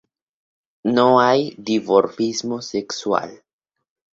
No hay dimorfismo sexual.